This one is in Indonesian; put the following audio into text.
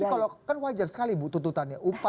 tapi kalau kan wajar sekali bu tututannya